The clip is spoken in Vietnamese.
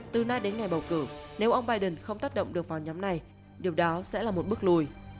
từ nay đến ngày bầu cử nếu ông biden không tác động được vào nhóm này điều đó sẽ là một bước lùi